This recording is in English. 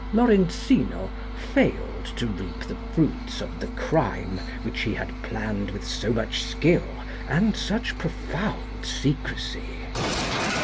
1 "Lorenzino failed to reap the fruits of the crime, which he had planned with so much skill and such profound secrecy.